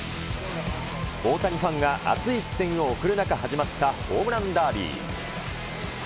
大谷ファンが熱い視線を送る中始まったホームランダービー。